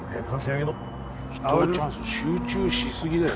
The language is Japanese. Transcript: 伊藤チャンス集中し過ぎだよ。